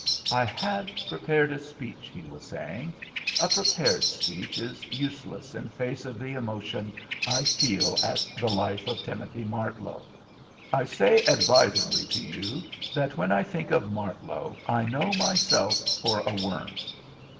"I had prepared a speech," he was saying. "A prepared speech is useless in face of the emotion I feel at the life of Timothy Martlow. I say advisedly to you that when I think of Martlow, I know myself for a worm.